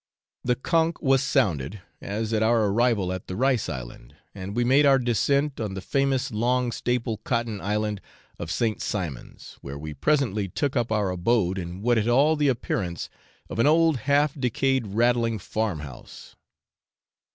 The conch was sounded, as at our arrival at the rice island, and we made our descent on the famous long staple cotton island of St. Simon's, where we presently took up our abode in what had all the appearance of an old half decayed rattling farm house.